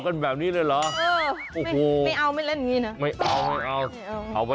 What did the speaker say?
ฉันเคยโดนแกล้งโยนิ้งจกตอบมานะ